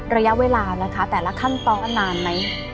ระยะเวลานะคะแต่ละขั้นตอนนานไหม